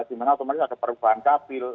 di mana otomatis ada perubahan dapil